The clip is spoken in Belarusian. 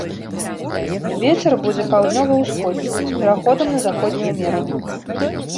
Вецер будзе паўднёва-ўсходні з пераходам на заходні ўмераны.